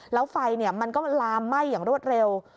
แล้วไฟมันก็ลามไหม้อย่างรวดเร็ว